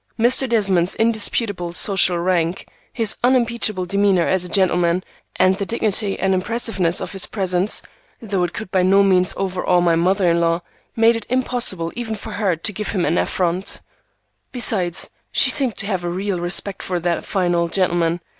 Mr. Desmond's indisputable social rank, his unimpeachable demeanor as a gentleman, and the dignity and impressiveness of his presence, though it could by no means overawe my mother in law, made it impossible even for her to give him an affront. Besides, she seemed to have a real respect for that fine old gentleman.